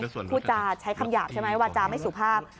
คุณผู้ชาติใช้คำหยาบใช่ไหมวาจาไม่สุภาพ